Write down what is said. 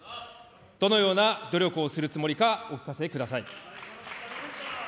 どのような努力をするつもりか、お聞かせください。